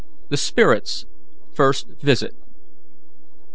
THE SPIRIT'S FIRST VISIT.